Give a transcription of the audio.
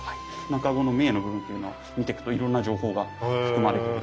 茎の銘の部分というのは見てくといろんな情報が含まれている。